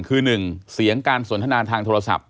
คือ๑เสียงการสนทนาทางโทรศัพท์